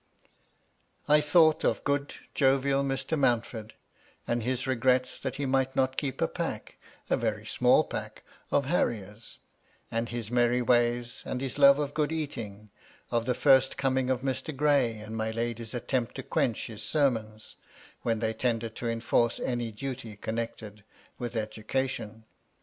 I thought of good, jovial Mr. Mountford, — and his ' regrets that he might not keep a pack, " a veiy small pack," of harriers, and his merry ways, and his love of good eating ; of thp first coming of Mr. Gray, and my lady's attempt to quench his sermons, when they tended to enforce any duty connected with education.